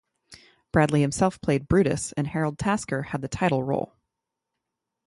Bradley himself played Brutus, and Harold Tasker had the title role.